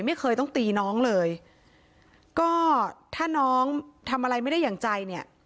ไม่เคยต้องตีน้องเลยก็ถ้าน้องทำอะไรไม่ได้อย่างใจเนี่ย